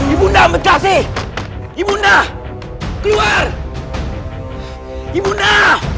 ibu nda minta kasih ibu nda keluar ibu nda